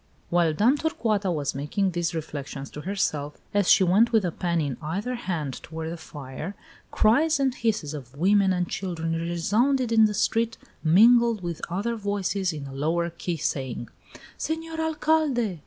XIV. While Dame Torcuata was making these reflections to herself, as she went, with a pan in either hand, toward the fire, cries and hisses of women and children resounded in the street, mingled with other voices in a lower key, saying: "Senor Alcalde!